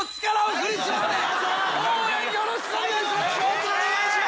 応援よろしくお願いします！